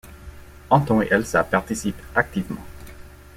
Anton et Elsa participent activement.